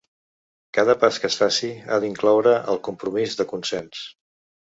Cada pas que es faci ha d’incloure el compromís de consens.